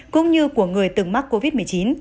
cũng như của người từng mắc covid một mươi chín